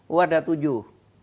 oh ada tujuh